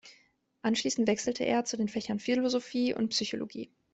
Anschließend wechselte er zu den Fächern Philosophie und Psychologie.